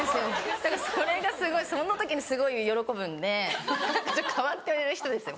だからそれがすごいその時にすごい喜ぶんで変わってる人ですよ